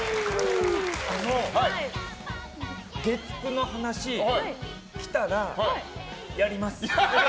月９の話、来たらやります！